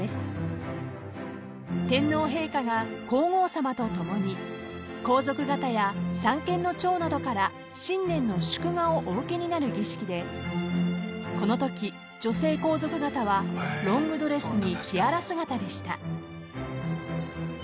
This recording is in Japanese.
［天皇陛下が皇后さまと共に皇族方や三権の長などから新年の祝賀をお受けになる儀式でこのとき女性皇族方はロングドレスにティアラ姿でした］